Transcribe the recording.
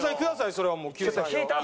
それはもう救済は。